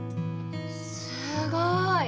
すごい。